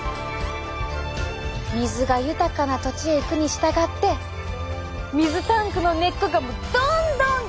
水が豊かな土地へ行くに従って水タンクの根っこがどんどん巨大化！